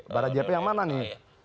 bara jp yang mana nih